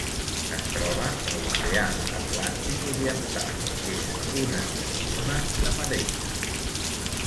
Es troba a l'Oceà Atlàntic oriental: és un endemisme de Madeira.